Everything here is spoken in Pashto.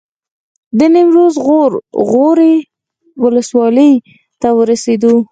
د نیمروز غور غوري ولسوالۍ ته ورسېدو.